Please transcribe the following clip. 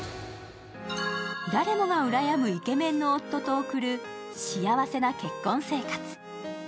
誰もがうらやむイケメンの夫と送る幸せな結婚生活。